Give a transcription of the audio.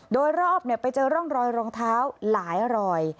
โดยรอบไปเจอร่องรอยรองเท้าหลายรอย